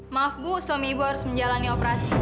maaf bu suami ibu harus menjalani operasi